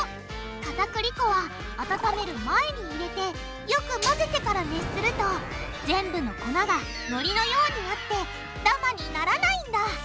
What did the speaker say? かたくり粉は温める前に入れてよく混ぜてから熱すると全部の粉がのりのようになってダマにならないんだ！